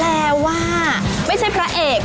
เป็นใครก็หงายเงิบกันทั้งนั้นแหละครับ